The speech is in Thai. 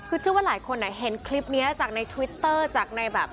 คือเชื่อว่าหลายคนเห็นคลิปนี้จากในทวิตเตอร์จากในแบบ